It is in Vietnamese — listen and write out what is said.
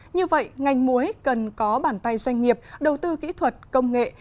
như vậy ngành muối cần có bàn tay doanh nghiệp đầu tư kỹ thuật công nghệ